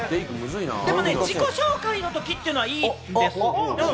でもね自己紹介のときっていうのはいいです。